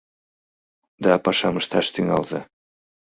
Да пашам ышташ тӱҥалза!